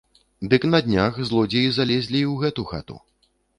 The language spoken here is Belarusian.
Дык на днях злодзеі залезлі і ў гэту хату.